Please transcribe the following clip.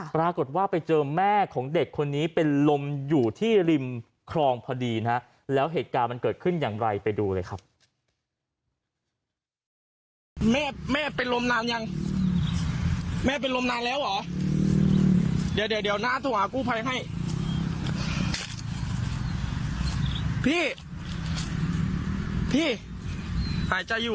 ปรากฏว่าไปเจอแม่ของเด็กคนนี้เป็นลมอยู่ที่ริมคลองพอดีนะฮะแล้วเหตุการณ์มันเกิดขึ้นอย่างไรไปดูเลยครับ